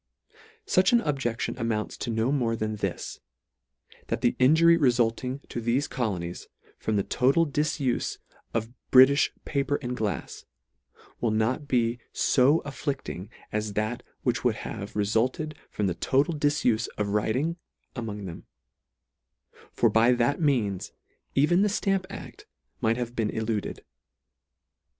Such an objection amounts to no more than this, that the injury refulting to thefe colonies, from the total difufe of Britifh pa per and glafs, will not he fo afflicting as that which would have refulted from the total difufe of writing among them ; for by that means even the ftamp act might have been eluded.